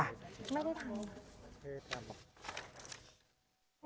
ไม่ได้ภัย